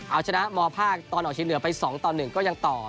เอาชนะมภตอนออกชีพเหนือไป๒๑ก็ยังต่อ